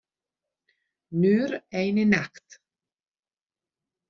Nur eine Nacht